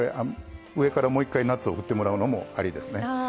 上からもう一回ナッツを振ってもらうのもありですね。